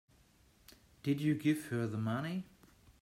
Did you give her the money?